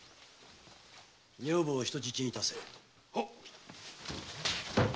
女房を人質にいたせ。